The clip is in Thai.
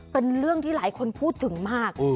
เป็นเรื่องที่หลายคนพูดถึงมาก